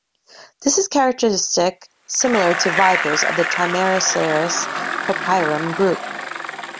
This is a characteristic similar to vipers of the "Trimeresurus popeiorum" group.